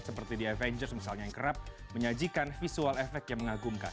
seperti the avengers misalnya yang kerap menyajikan visual efek yang mengagumkan